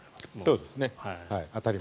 そうですね。